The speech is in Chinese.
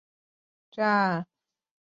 亦是当别町最北的车站。